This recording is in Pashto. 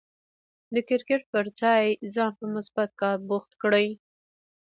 د کرکټ پر ځای ځان په مثبت کار بوخت کړئ.